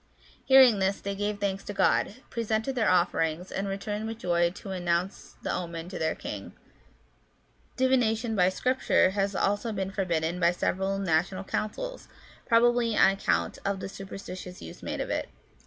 xviii. 37, 40). Hearing this, they gave thanks to God, presented their offerings, and returned with joy to announce the omen to their king. Divination by Scripture has been forbidden by several national councils, probably on account of the superstitious use made of it.